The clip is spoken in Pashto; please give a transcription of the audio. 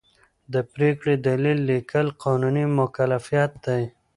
د پرېکړې دلیل لیکل قانوني مکلفیت دی.